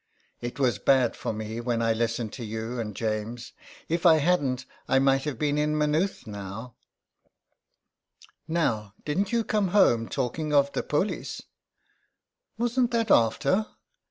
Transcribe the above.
"It was bad for me when I listened to you and James. If I hadn't I might have been in Maynooth now." " Now, didn^t you come home talking of the polis? ''Wasn't that after?"